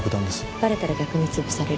バレたら逆に潰される。